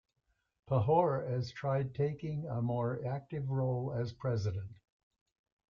Pahor has tried taking a more active role as president.